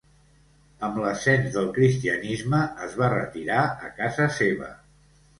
Amb l'ascens del cristianisme es va retirar a casa seva.